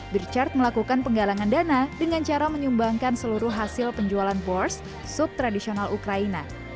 birchard melakukan penggalangan dana dengan cara menyumbangkan seluruh hasil penjualan bors sub tradisional ukraina